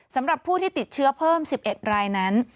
สำหรับผู้ที่ติดเชื้อเพิ่ม๑๑รายนั้น